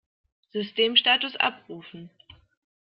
Systemstatus abrufen!